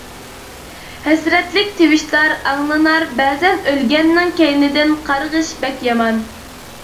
ھەسرەتلىك تىۋىشلار ئاڭلىنار بەزەن ئۆلگەننىڭ كەينىدىن قارغىش بەك يامان.